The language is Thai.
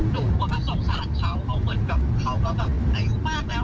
ดูแล้วสงสารเขาเขาเหมือนกับอายุมากแล้ว